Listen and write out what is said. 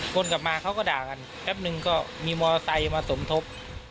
คนกลับมาเขาก็ด่ากันแป๊บนึงก็มีมอเตอร์ไซค์มาสมทบ